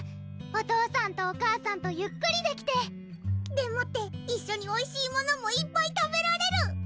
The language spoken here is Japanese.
お父さんとお母さんとゆっくりできてでもって一緒においしいものもいっぱい食べられる！